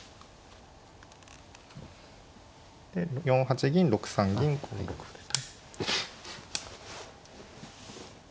４八銀６三銀５六歩で。